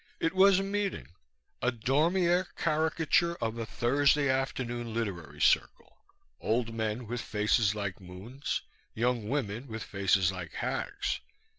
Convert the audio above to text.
It was a meeting, a Daumier caricature of a Thursday Afternoon Literary Circle, old men with faces like moons, young women with faces like hags.